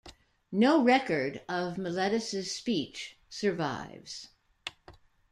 No record of Meletus' speech survives.